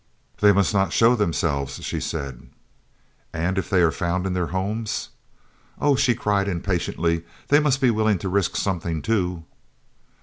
"They must not show themselves," she said. "And if they are found in their homes?" "Oh!" she cried impatiently, "they must be willing to risk something too."